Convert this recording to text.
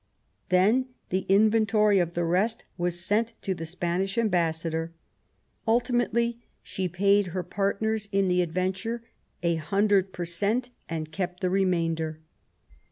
Then the inventory of the rest was sent to the Spanish ambassador. Ultimately she paid her partners in the adventure 100 per cent, and kept the remainder.